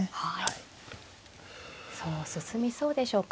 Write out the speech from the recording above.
そう進みそうでしょうか。